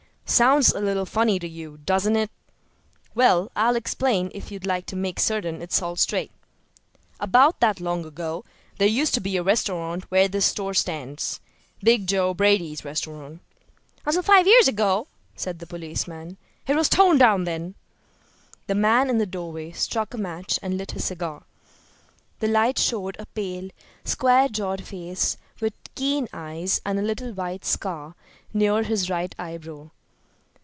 Sounds a little funny to you, doesn't it? Well, I'll explain if you'd like to make certain it's all straight. About that long ago there used to be a restaurant where this store stands 'Big Joe' Brady's restaurant." "Until five years ago," said the policeman. "It was torn down then." The man in the doorway struck a match and lit his cigar. The light showed a pale, square jawed face with keen eyes, and a little white scar near his right eyebrow.